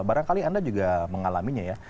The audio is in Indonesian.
barangkali anda juga mengalaminya ya